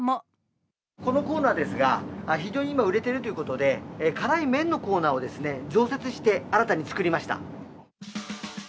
このコーナーですが、非常に今、売れているということで、辛い麺のコーナーを増設して新たに作りました。